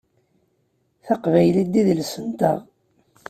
Taqbaylit d idles-nteɣ.